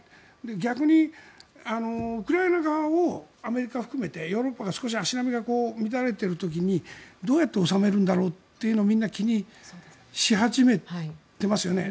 逆にウクライナ側をアメリカを含めてヨーロッパが足並みが少し乱れている時にどうやって収めるんだろうというのをみんな気にし始めていますよね。